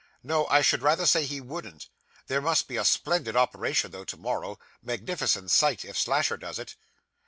'No, I should rather say he wouldn't. There must be a splendid operation, though, to morrow magnificent sight if Slasher does it.